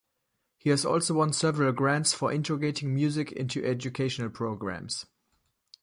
He has also won several grants for integrating music into education programs.